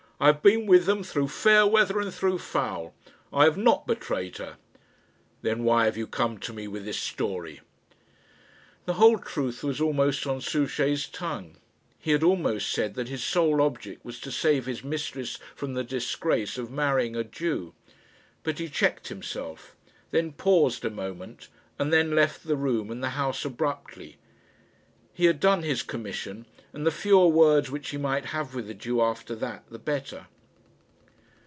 I have been with them through fair weather and through foul. I have not betrayed her." "Then why have you come to me with this story?" The whole truth was almost on Souchey's tongue. He had almost said that his sole object was to save his mistress from the disgrace of marrying a Jew. But he checked himself, then paused a moment, and then left the room and the house abruptly. He had done his commission, and the fewer words which he might have with the Jew after that the better.